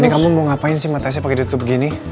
ini kamu mau ngapain sih mata asya pake ditutup begini